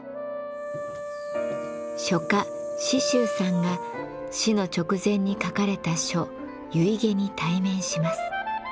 書家紫舟さんが死の直前に書かれた書遺偈に対面します。